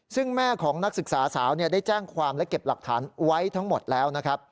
ซึ่งแม่ของนักศึกษาสาวได้แจ้งความและเก็บหลักฐานไว้ทั้งหมดแล้วนะครับ